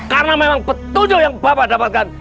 karena memang petunjuk yang bapak dapatkan